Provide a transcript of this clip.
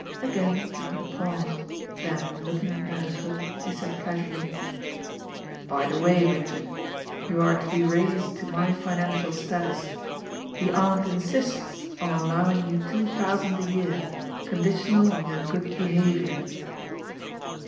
Again Drewitt paused, then looking at Beresford, he said casually: "By the way, Richard, you are to be raised to my financial status; the Aunt insists on allowing you two thousand a year, conditional on your good behaviour."